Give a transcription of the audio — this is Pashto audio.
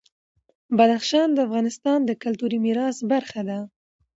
بدخشان د افغانستان د کلتوري میراث برخه ده.